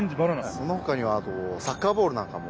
そのほかにはあとサッカーボールなんかも。